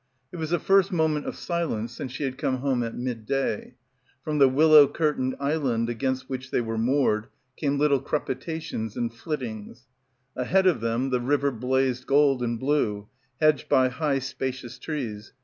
It was the first moment of silence since she had come home at midday. From the willow curtained island against which they were moored came little crepitations and Sittings. Ahead of them the river blazed gold and blue, hedged by high spacious trees.